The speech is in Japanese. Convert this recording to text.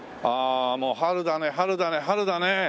ああもう春だね春だね春だね。